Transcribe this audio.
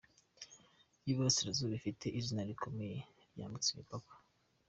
y’Uburasirazuba, afite izina rikomeye ryambutse imipaka.